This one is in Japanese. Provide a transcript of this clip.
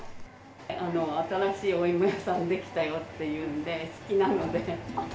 新しいお芋屋さん出来たよっていうんで、好きなので。